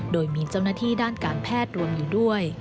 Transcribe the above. โดยมีเจ้าหน้าที่ด้านการแพทย์รวมอยู่ด้วย